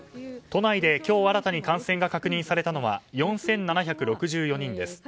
都内で今日新たに感染が確認されたのは４７６４人です。